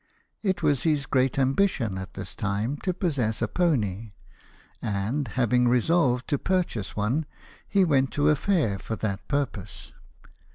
It was his great ambition at this time THE NAVIGATION ACT AGAIN 51 to possess a pony ; and, having resolved to purchase one, he went to a fair for that purpose.